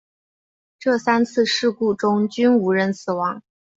这三次事故中均无人死亡。